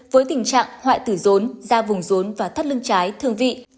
với tình trạng hoại tử rốn da vùng rốn và thắt lưng trái thương vị